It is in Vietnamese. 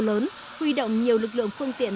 lớn huy động nhiều lực lượng phương tiện